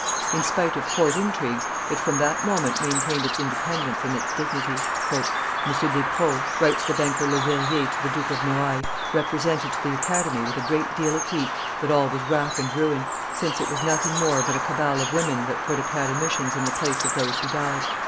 In spite of court intrigues, it from that moment maintained its independence and its dignity. "M. Despreaux," writes the banker Leverrier to the Duke of Noailles, "represented to the Academy, with a great deal of heat, that all was rack and ruin, since it was nothing more but a cabal of women that put Academicians in the place of those who died.